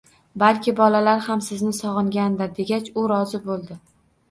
Balki, bolalar ham sizni sog'ingandir,-degach, u rozi bo'ldi.